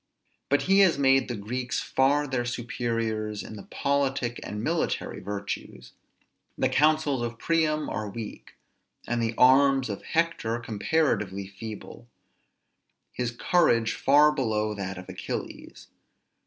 But he has made the Greeks far their superiors in the politic and military virtues. The councils of Priam are weak; the arms of Hector comparatively feeble; his courage far below that of Achilles.